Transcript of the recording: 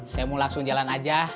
saya mau langsung jalan aja